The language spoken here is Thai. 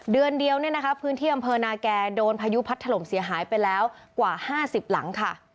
เดือนเดียวพื้นที่อำเภอนาแก่โดนพายุพัดถล่มเสียหายไปแล้วกว่า๕๐หลังค่ะ